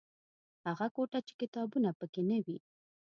هغه کوټه چې کتابونه پکې نه وي.